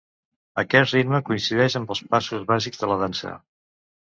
Aquest ritme coincideix amb els passos bàsics de la dansa.